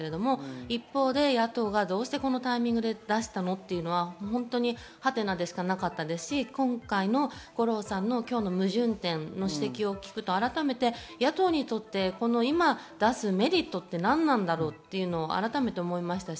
一方、野党がどうしてこのタイミングで出したのというのははてなでしかないですし、今回の五郎さんの矛盾点の指摘を聞くと改めて野党にとって今出すメリットってなんなんだろうっていうのを思いました。